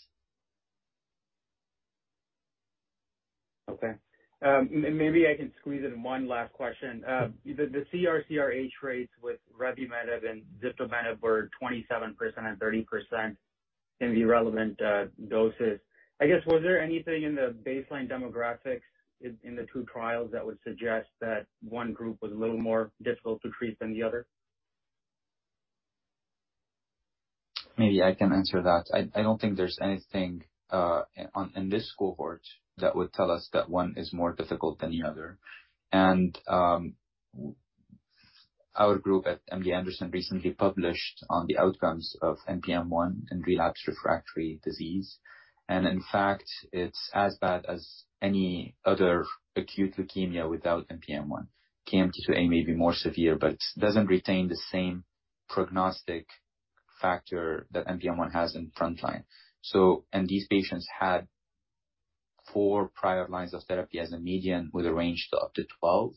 Okay. Maybe I can squeeze in one last question. The CRCRH rates with revumenib and ziftomenib were 27% and 30% in the relevant doses. I guess, was there anything in the baseline demographics in the two trials that would suggest that one group was a little more difficult to treat than the other? Maybe I can answer that. I don't think there's anything in this cohort that would tell us that one is more difficult than the other. Our group at MD Anderson recently published on the outcomes of NPM1 in relapse refractory disease. In fact, it's as bad as any other acute leukemia without NPM1. KMT2A may be more severe but doesn't retain the same prognostic factor that NPM1 has in frontline. These patients had four prior lines of therapy as a median, with a range to up to 12.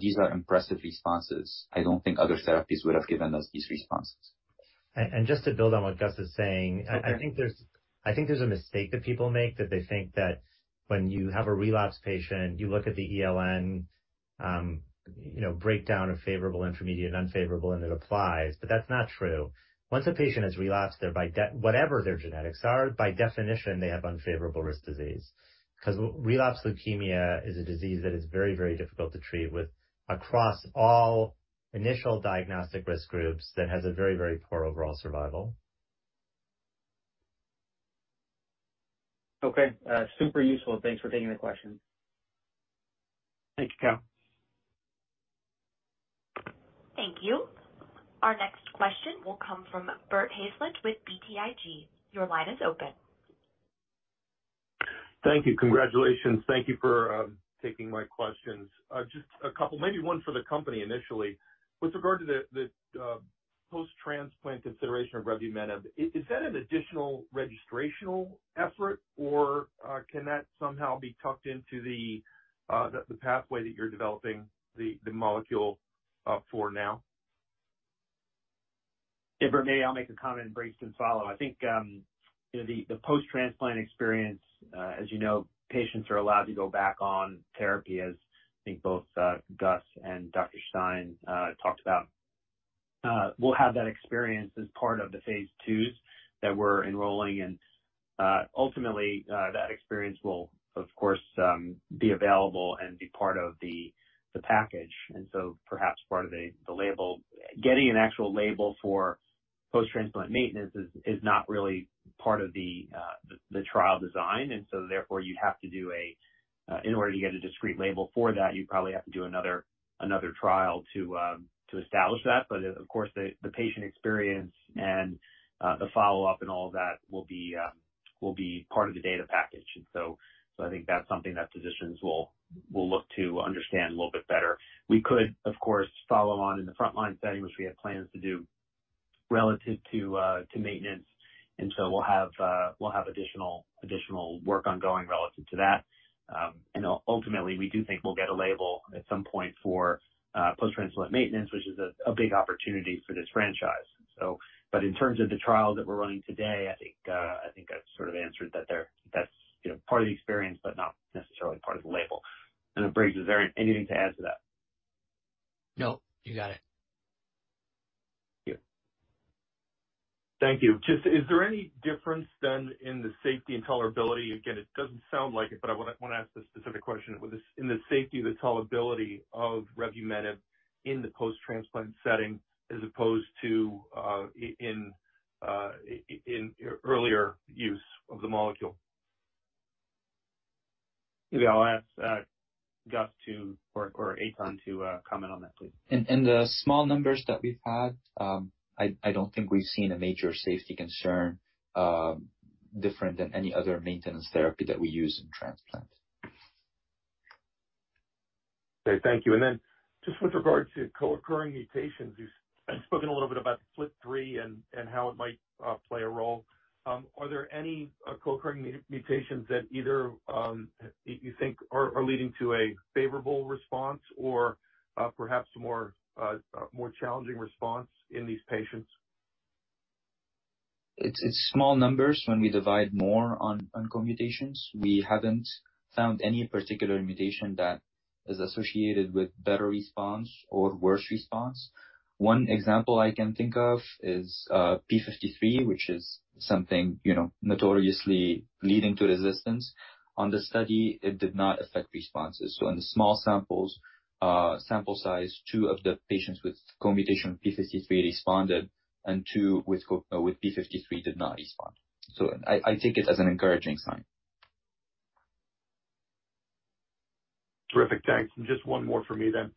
These are impressive responses. I don't think other therapies would have given us these responses. Just to build on what Gus is saying. Okay. I think there's a mistake that people make, that they think that when you have a relapse patient, you look at the ELN, you know, breakdown of favorable, intermediate, unfavorable, and it applies, but that's not true. Once a patient has relapsed, they're by whatever their genetics are, by definition, they have unfavorable risk disease. 'Cause relapse leukemia is a disease that is very, very difficult to treat with across all initial diagnostic risk groups that has a very, very poor overall survival. Okay. super useful. Thanks for taking the question. Thank you. Kal. Thank you. Our next question will come from Bert Hazlett with BTIG. Your line is open. Thank you. Congratulations. Thank you for Taking my questions. Just a couple, maybe one for the company initially. With regard to the post-transplant consideration of revumenib, is that an additional registrational effort, or can that somehow be tucked into the pathway that you're developing the molecule for now? If I may, I'll make a comment. Briggs can follow. I think, you know, the post-transplant experience, as you know, patients are allowed to go back on therapy as I think both Gus and Dr. Stein talked about. We'll have that experience as part of the phase 2s that we're enrolling. Ultimately, that experience will of course be available and be part of the package, so perhaps part of the label. Getting an actual label for post-transplant maintenance is not really part of the trial design. Therefore, you'd have to do in order to get a discrete label for that, you'd probably have to do another trial to establish that. Of course the patient experience and the follow-up and all of that will be part of the data package. I think that's something that physicians will look to understand a little bit better. We could, of course, follow on in the front line setting, which we have plans to do relative to maintenance. We'll have additional work ongoing relative to that. Ultimately, we do think we'll get a label at some point for post-transplant maintenance, which is a big opportunity for this franchise. In terms of the trial that we're running today, I think I've sort of answered that there, that's, you know, part of the experience but not necessarily part of the label. Briggs, is there anything to add to that? No, you got it. Thank you. Thank you. Is there any difference then in the safety and tolerability? Again, it doesn't sound like it, I wanna ask the specific question. With the safety, the tolerability of revumenib in the post-transplant setting as opposed to in earlier use of the molecule. Maybe I'll ask, Gus to or Eytan to, comment on that, please. In the small numbers that we've had, I don't think we've seen a major safety concern, different than any other maintenance therapy that we use in transplant. Okay, thank you. Just with regard to co-occurring mutations, you've spoken a little bit about FLT3 and how it might play a role. Are there any co-occurring mutations that either you think are leading to a favorable response or perhaps more challenging response in these patients? It's small numbers when we divide more on co-mutations. We haven't found any particular mutation that is associated with better response or worse response. One example I can think of is P53, which is something, you know, notoriously leading to resistance. On the study it did not affect responses. In the small samples, sample size, two of the patients with co-mutation P53 responded and two with P53 did not respond. I take it as an encouraging sign. Terrific. Thanks. Just one more for me then.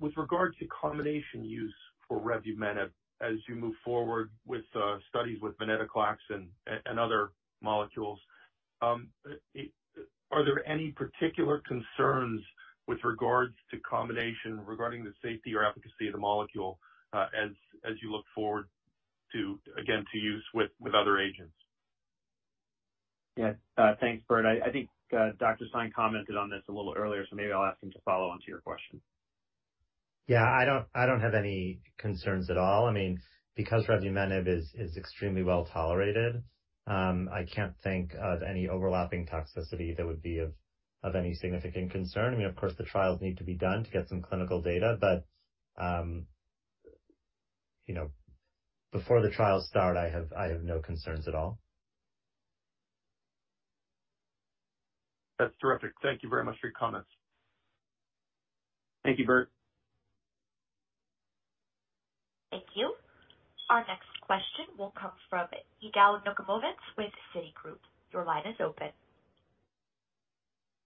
With regard to combination use for revumenib, as you move forward with studies with venetoclax and other molecules, are there any particular concerns with regards to combination regarding the safety or efficacy of the molecule, as you look forward to, again, to use with other agents? Yeah. Thanks, Bert. I think Dr. Stein commented on this a little earlier, maybe I'll ask him to follow on to your question. Yeah. I don't have any concerns at all. I mean, because revumenib is extremely well tolerated, I can't think of any overlapping toxicity that would be of any significant concern. I mean, of course, the trials need to be done to get some clinical data, you know, before the trials start, I have no concerns at all. That's terrific. Thank you very much for your comments. Thank you, Bert. Thank you. Our next question will come from Yigal Nochomovitz with Citigroup. Your line is open.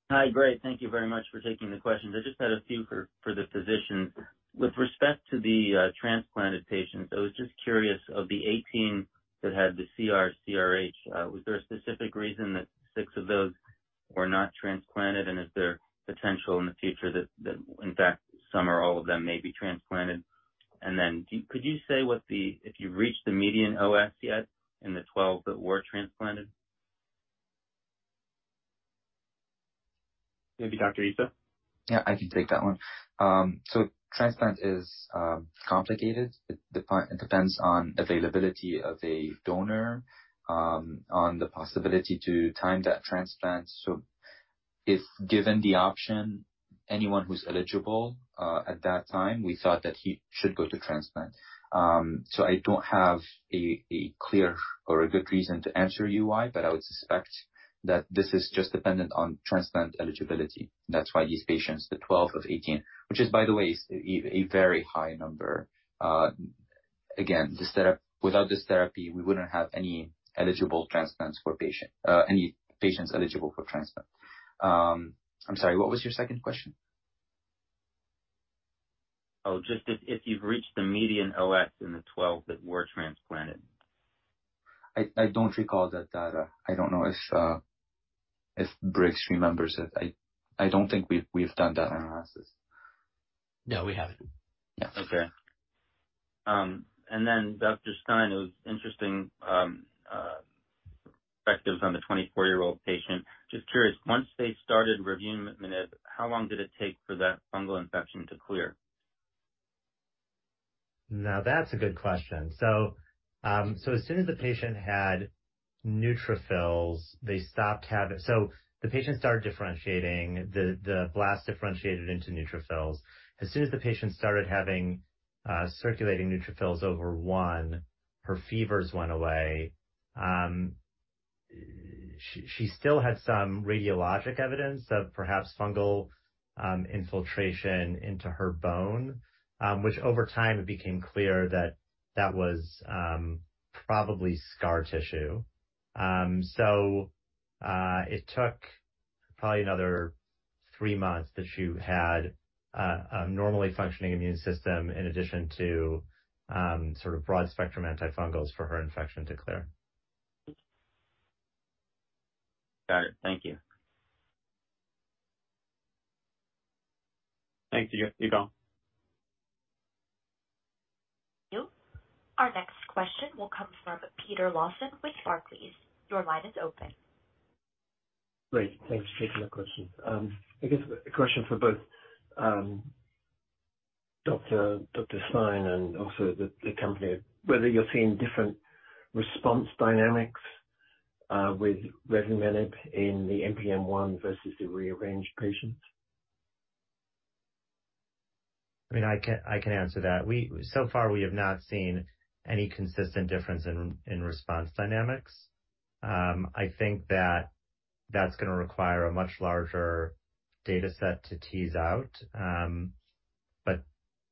Hi. Great. Thank you very much for taking the questions. I just had a few for the physician. With respect to the transplanted patients, I was just curious, of the 18 that had the CR/CRh, was there a specific reason that 6 of those were not transplanted? Is there potential in the future that in fact some or all of them may be transplanted? Then could you say what the if you've reached the median OS yet in the 12 that were transplanted? Maybe Dr. Issa. Yeah, I can take that one. So transplant is complicated. It depends on availability of a donor, on the possibility to time that transplant. If given the option, anyone who's eligible, at that time, we thought that he should go to transplant. I don't have a clear or a good reason to answer you why, but I would suspect that this is just dependent on transplant eligibility. That's why these patients, the 12 of 18, which is, by the way, a very high number. Again, this therapy, without this therapy, we wouldn't have any eligible transplants for patient, any patients eligible for transplant. I'm sorry, what was your second question? Oh, just if you've reached the median OS in the 12 that were transplanted. I don't recall that data. I don't know if Briggs remembers it. I don't think we've done that analysis. No, we haven't. Yeah. Okay. Dr. Stein, it was interesting, perspectives on the 24-year-old patient. Just curious, once they started revumenib, how long did it take for that fungal infection to clear? That's a good question. As soon as the patient had neutrophils, they stopped having. The patient started differentiating the blast differentiated into neutrophils. As soon as the patient started having circulating neutrophils over 1, her fevers went away. She still had some radiologic evidence of perhaps fungal infiltration into her bone, which over time it became clear that that was probably scar tissue. It took probably another 3 months that she had a normally functioning immune system in addition to sort of broad-spectrum antifungals for her infection to clear. Got it. Thank you. Thank you. You can go. Thank you. Our next question will come from Peter Lawson with Barclays. Your line is open. Great. Thanks for taking my question. I guess a question for both, Dr. Stein and also the company. Whether you're seeing different response dynamics, with revumenib in the NPM1 versus the rearranged patients. I mean, I can answer that. So far we have not seen any consistent difference in response dynamics. I think that's gonna require a much larger data set to tease out.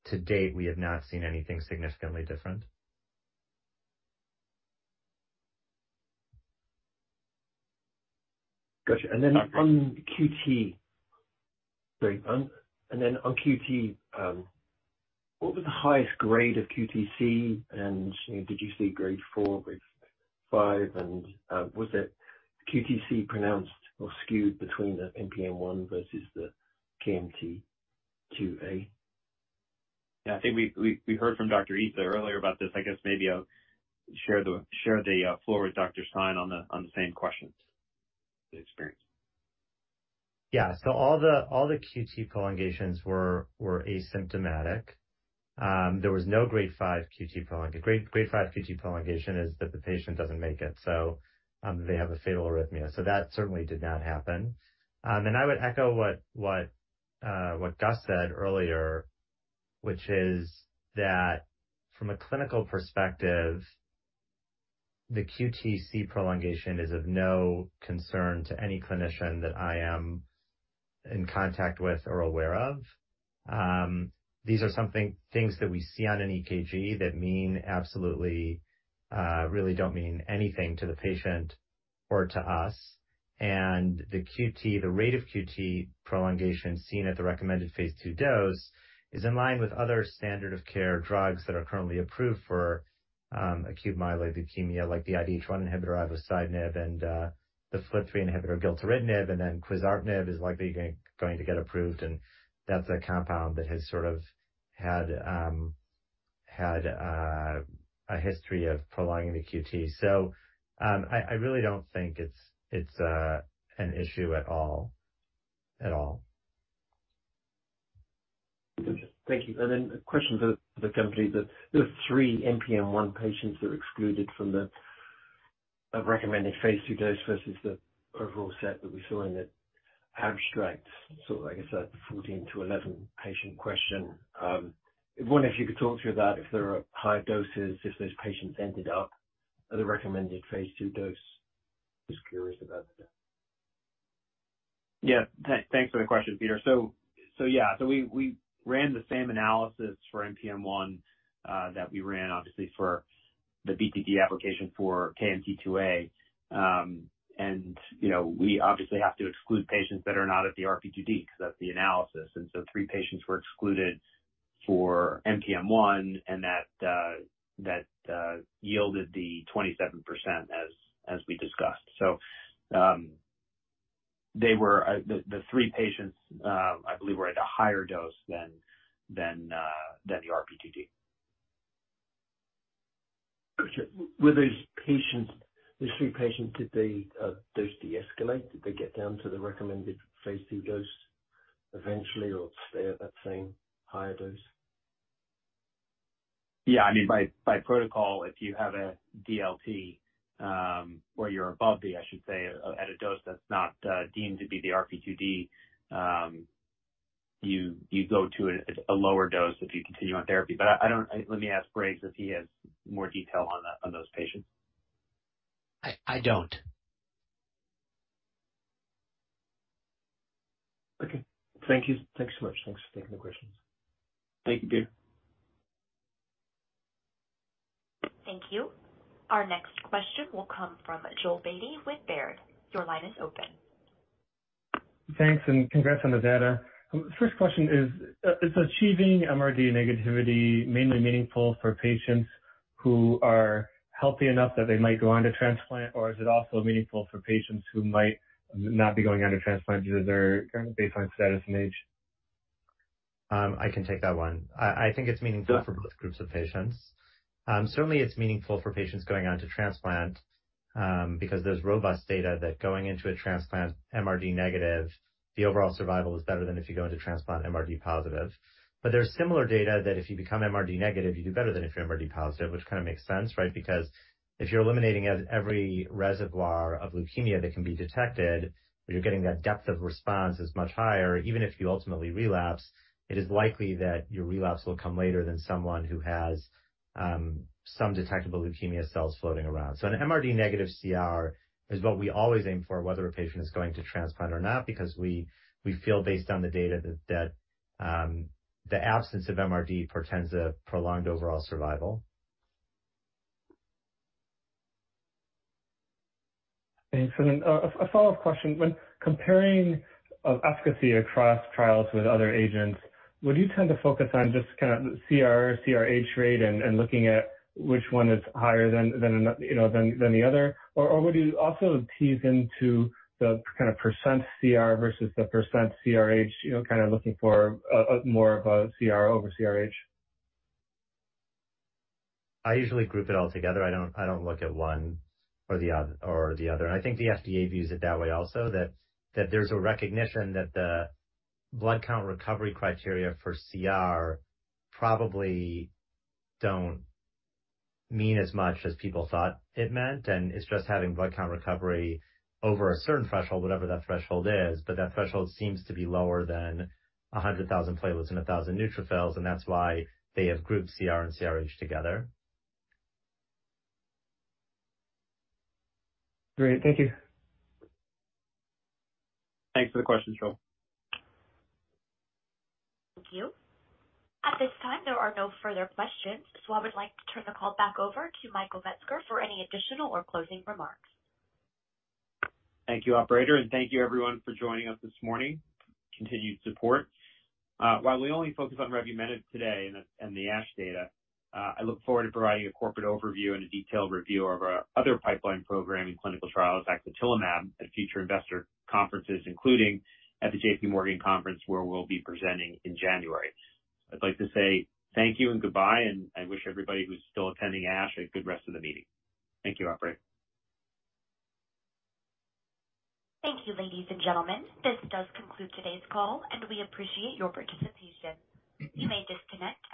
To date, we have not seen anything significantly different. Got you. Then on QT. Sorry. Then on QT, what was the highest grade of QTC, you know, did you see grade 4, grade 5? Was the QTC pronounced or skewed between the NPM1 versus the KMT2A? Yeah, I think we heard from Dr. Eytan Stein earlier about this. I guess maybe I'll share the floor with Dr. Stein on the same questions and experience. Yeah. All the QT prolongations were asymptomatic. There was no grade 5 QT prolong. A grade 5 QT prolongation is that the patient doesn't make it, so they have a fatal arrhythmia. That certainly did not happen. I would echo what Gus said earlier, which is that from a clinical perspective, the QTC prolongation is of no concern to any clinician that I am in contact with or aware of. These are things that we see on an EKG that mean absolutely really don't mean anything to the patient or to us. The QT, the rate of QT prolongation seen at the recommended phase 2 dose is in line with other standard of care drugs that are currently approved for acute myeloid leukemia, like the IDH1 inhibitor ivosidenib and the FLT3 inhibitor gilteritinib. quizartinib is likely going to get approved, and that's a compound that has sort of had a history of prolonging the QT. I really don't think it's an issue at all. At all. Gotcha. Thank you. Then a question for the company. The, there are 3 NPM1 patients that are excluded from the recommended phase 2 dose versus the overall set that we saw in the abstract. I guess that 14 to 11 patient question. I wonder if you could talk through that, if there are higher doses, if those patients ended up at a recommended phase 2 dose. Just curious about the data. Yeah. Thanks for the question, Peter Lawson. Yeah. We ran the same analysis for NPM1 that we ran obviously for the BTD application for KMT2A. You know, we obviously have to exclude patients that are not at the RP2D because that's the analysis. 3 patients were excluded for NPM1, and that yielded the 27% as we discussed. They were the 3 patients, I believe were at a higher dose than the RP2D. Got you. Were those patients, those three patients, did they dose deescalate? Did they get down to the Recommended Phase 2 Dose eventually or stay at that same higher dose? Yeah. I mean by protocol if you have a DLT, or you're above the I should say at a dose that's not, deemed to be the RP2D, you go to a lower dose if you continue on therapy. I don't. Let me ask Briggs if he has more detail on those patients. I don't. Okay. Thank you. Thanks so much. Thanks for taking the questions. Thank you, Peter. Thank you. Our next question will come from Joel Beatty with Baird. Your line is open. Thanks. Congrats on the data. First question is achieving MRD negativity mainly meaningful for patients who are healthy enough that they might go on to transplant, or is it also meaningful for patients who might not be going on to transplant due to their kind of baseline status and age? I can take that one. I think it's meaningful for both groups of patients. Certainly it's meaningful for patients going on to transplant because there's robust data that going into a transplant MRD negative, the overall survival is better than if you go into transplant MRD positive. There's similar data that if you become MRD negative, you do better than if you're MRD positive, which kind of makes sense, right? Because if you're eliminating every reservoir of leukemia that can be detected, you're getting that depth of response is much higher. Even if you ultimately relapse, it is likely that your relapse will come later than someone who has some detectable leukemia cells floating around. An MRD negative CR is what we always aim for, whether a patient is going to transplant or not, because we feel based on the data that the absence of MRD portends a prolonged overall survival. Thanks. A follow-up question. When comparing efficacy across trials with other agents, would you tend to focus on just kind of CR, CRH rate and looking at which one is higher than the other? Or would you also tease into the kind of % CR versus the % CRH, you know, kind of looking for more of a CR over CRH? I usually group it all together. I don't look at one or the other, or the other. I think the FDA views it that way also, that there's a recognition that the blood count recovery criteria for CR probably don't mean as much as people thought it meant. It's just having blood count recovery over a certain threshold, whatever that threshold is. That threshold seems to be lower than 100,000 platelets and 1,000 neutrophils, and that's why they have grouped CR and CRh together. Great. Thank you. Thanks for the question, Joel. Thank you. At this time, there are no further questions, so I would like to turn the call back over to Michael Metzger for any additional or closing remarks. Thank you, operator, and thank you everyone for joining us this morning. Continued support. While we only focus on revumenib today and the ASH data, I look forward to providing a corporate overview and a detailed review of our other pipeline program and clinical trials, axatilimab, at future investor conferences, including at the JP Morgan conference, where we'll be presenting in January. I'd like to say thank you and goodbye, and I wish everybody who's still attending ASH a good rest of the meeting. Thank you, operator. Thank you, ladies and gentlemen. This does conclude today's call, and we appreciate your participation. You may disconnect.